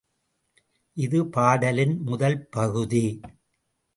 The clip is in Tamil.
இது பாடலின் முதல் பகுதி.